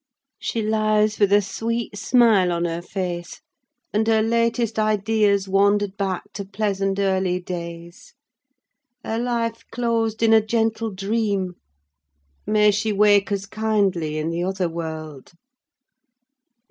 "She lies with a sweet smile on her face; and her latest ideas wandered back to pleasant early days. Her life closed in a gentle dream—may she wake as kindly in the other world!"